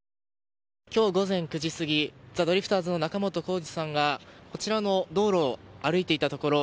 今日午前９時過ぎザ・ドリフターズの仲本工事さんがこちらの道路を歩いていたところ